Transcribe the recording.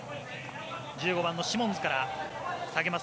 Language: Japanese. １５番のシモンズから下げます